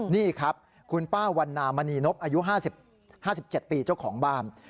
นี่ครับคุณป้าวันนามณีนบอายุ๕๗ปีเจ้าของบ้าน